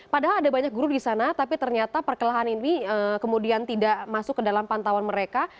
padahal ada banyak guru di sana tapi ternyata perkelahan ini kemudian tidak masuk ke dalam pantauan mereka